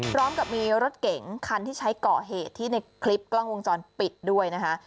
พร้อมกับมีรถเก๋งคันที่ใช้ก่อเหตุที่ในคลิปกล้องวงจรปิดด้วยนะคะ